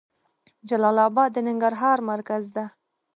جلال اباد د ننګرهار مرکز ده.